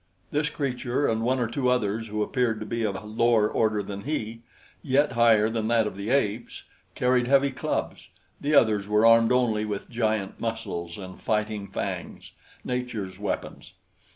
This creature and one or two others who appeared to be of a lower order than he, yet higher than that of the apes, carried heavy clubs; the others were armed only with giant muscles and fighting fangs nature's weapons.